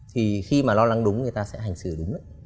thì khi mà lo lắng đúng người ta sẽ hành xử đúng đấy